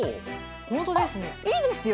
本当ですね。